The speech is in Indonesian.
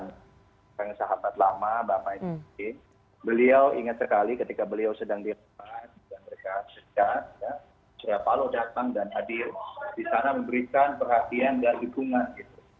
pembaikan sahabat lama bapak sby beliau ingat sekali ketika beliau sedang di depan mereka sedang pak paloh datang dan hadir di sana memberikan perhatian dan perhatian